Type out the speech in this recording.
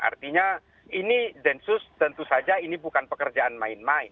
artinya ini densus tentu saja ini bukan pekerjaan main main